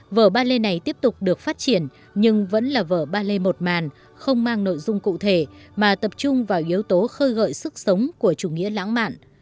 vở ballet này tiếp tục được phát triển nhưng vẫn là vở ballet một màn không mang nội dung cụ thể mà tập trung vào yếu tố khơi gợi sức sống của chủ nghĩa lãng mạn